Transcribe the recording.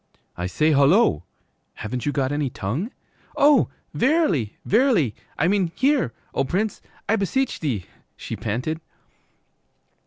'I say, hullo! Haven't you got any tongue?' 'Oh, verily, verily, I mean hear, O Prince, I beseech,' she panted.